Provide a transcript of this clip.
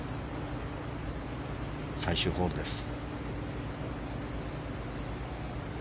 最終ホールです。